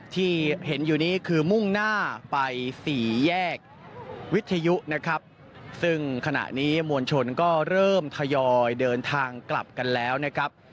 ที่เห็นอยู่นี้คือมุ่งหน้าไปสี่แยกวิทยุนะครับซึ่งขณะนี้มวลชนก็เริ่มทยอยเดินทางกลับกันแล้วนะครับ